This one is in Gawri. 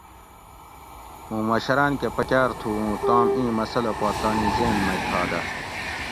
مُوں مشراۤن کہۤ پکاۤر تھو اُوں تام اِیں مسٔلہ پا تانی ذہن مئ تھا دہ